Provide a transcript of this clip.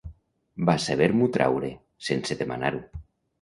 Va saber-m'ho traure, sense demanar-ho.